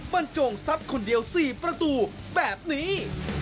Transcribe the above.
บรรจงทรัพย์คนเดียว๔ประตูแบบนี้